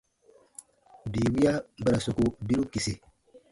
Bii wiya ba ra soku biru kisi.